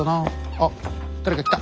あっ誰か来た！